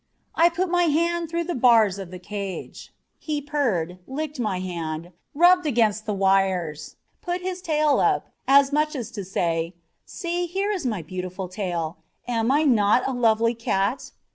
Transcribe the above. I put my hand through the bars of the cage. He purred, licked my hand, rubbed against the wires, put his tail up, as much as to say, "See, here is a beautiful tail; am I not a lovely cat?"